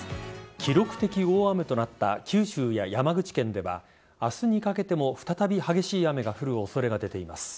記録的大雨となった九州や山口県では明日にかけても再び激しい雨が降る恐れが出ています。